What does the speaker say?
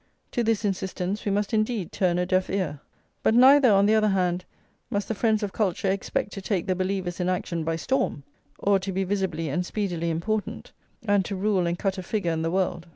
To this insistence we must indeed turn a deaf ear. But neither, on the other hand, must the friends of culture expect to take the believers in action by storm, or to be visibly and speedily important, and to rule and cut a figure in the world.